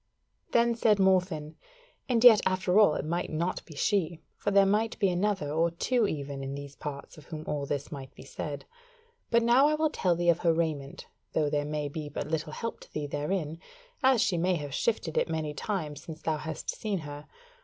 Then said Morfinn: "And yet after all it might not be she: for there might be another or two even in these parts of whom all this might be said. But now I will tell thee of her raiment, though there may be but little help to thee therein, as she may have shifted it many times since thou hast seen her.